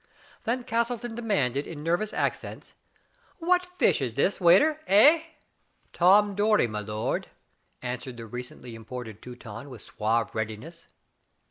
Then Castleton demanded, in nervous accents : "What fish is this, waiter— eh?" *'Tom Dory, milord,*' answered the recently imported Teuton with suave readiness.